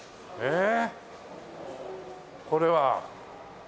ええ？